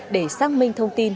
để xác minh thông tin